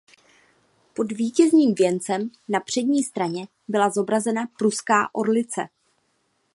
Pod vítězným věncem na přední straně byla zobrazena pruská orlice.